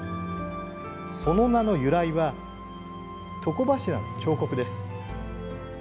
その名の由来は、床柱の彫刻です。